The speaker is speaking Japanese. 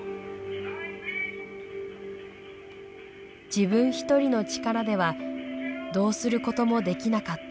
自分一人の力ではどうすることもできなかった。